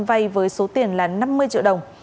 vay với số tiền là năm mươi triệu đồng